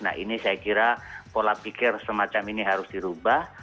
nah ini saya kira pola pikir semacam ini harus dirubah